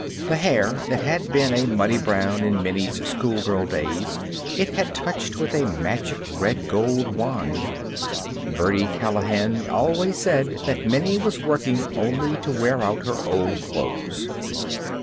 The hair that had been a muddy brown in Minnie's schoolgirl days it had touched with a magic red gold wand. Birdie Callahan always said that Minnie was working only to wear out her old clothes.